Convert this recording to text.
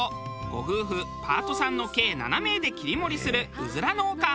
ご夫婦パートさんの計７名で切り盛りするうずら農家。